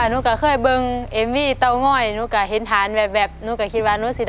ตัวเลือดที่๔พศ๒๕๕๕